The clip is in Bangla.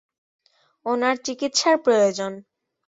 ওনার চিকিৎসার প্রয়োজন।